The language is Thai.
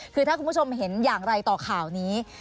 คือถ้าคุณผู้ชมเห็นอย่างไรต่อข่าวนี้